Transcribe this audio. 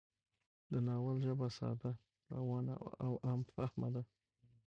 د ناول ژبه ساده، روانه او عام فهمه ده